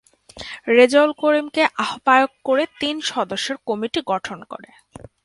রেজাউল করিমকে আহ্বায়ক করে তিন সদস্যের কমিটি গঠন করে।